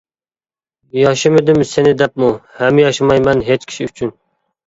ياشىمىدىم سېنى دەپمۇ ھەم ياشىمايمەن ھېچ كىشى ئۈچۈن.